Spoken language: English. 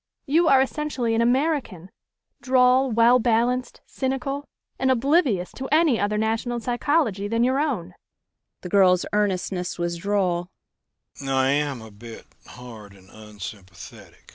You are essentially an American droll, well balanced, cynical and oblivious to any other national psychology than your own." The girl's earnestness was droll.